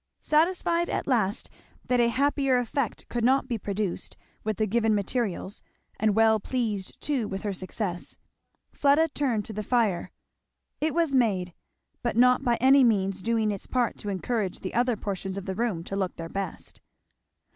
Satisfied at last that a happier effect could not be produced with the given materials, and well pleased too with her success, Fleda turned to the fire. It was made, but not by any means doing its part to encourage the other portions of the room to look their best.